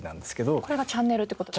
これがチャンネルって事ですか？